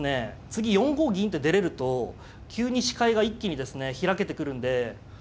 次４五銀って出れると急に視界が一気にですね開けてくるんで。